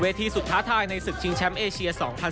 ทีสุดท้ายในศึกชิงแชมป์เอเชีย๒๐๑๖